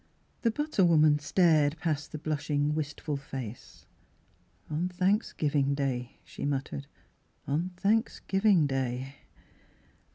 The butter woman stared past the blushing, wistful face. " On Thanksgiving Dav," she muttered. " On Thanksgiving Day."